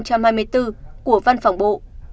của văn phòng bộ